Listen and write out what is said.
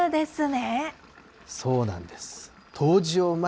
そうなんです。